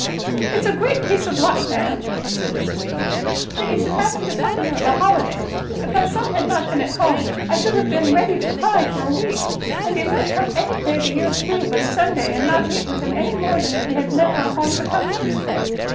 "Its a great piece of luck, ma'am," said Mrs Belfield, "that you should happen to come here, of a holiday! If my son had not been at home, I should have been ready to cry for a week: and you might come any day the year through but a Sunday, and not meet with him any more than if he had never a home to come to."